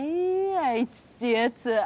あいつって奴は。